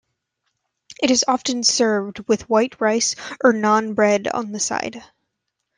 It is often served with white rice or naan bread on the side.